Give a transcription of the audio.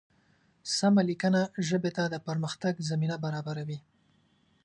سمه لیکنه ژبې ته د پرمختګ زمینه برابروي.